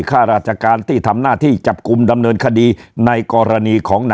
ข้าราชการที่ทำหน้าที่จับกลุ่มดำเนินคดีในกรณีของ